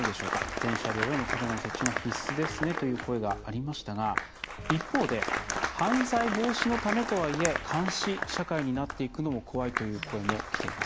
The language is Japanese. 全車両へのカメラの設置が必須ですねという声がありましたが一方で、犯罪防止のためとはいえ監視社会になっていくのも怖いという声もきています。